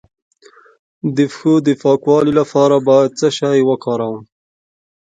د پښو د پاکوالي لپاره باید څه شی وکاروم؟